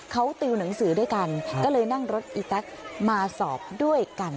เขาติวหนังสือด้วยกันก็เลยนั่งรถอีแต๊กมาสอบด้วยกัน